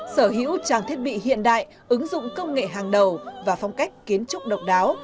sở hữu trang thiết bị hiện đại ứng dụng công nghệ hàng đầu và phong cách kiến trúc độc đáo